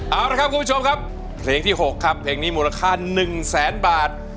เอาละครับคุณผู้ชมครับเพลงที่๖ครับเพลงนี้มูลค่า๑แสนบาท